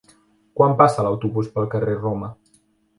Quan passa l'autobús pel carrer Roma?